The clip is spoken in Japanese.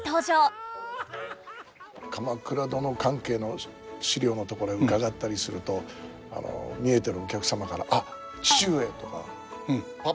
「鎌倉殿」関係の資料のところへ伺ったりすると見えてるお客様から「あっ父上！」とか「パパ！」とか言われるんですね。